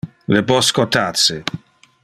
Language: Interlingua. Le bosco tace.